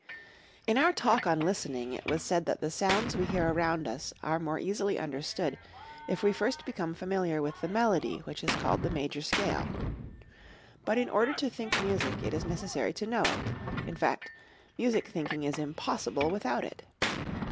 In our Talk on Listening, it was said that the sounds we hear around us are the more easily understood if we first become familiar with the melody which is called the major scale. But in order to think music it is necessary to know it in fact, music thinking is impossible without it.